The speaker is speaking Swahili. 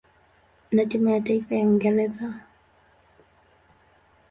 na timu ya taifa ya Uingereza.